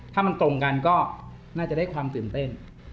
ถ้ามันตรงกันก็น่าจะได้ความตื่นเต้น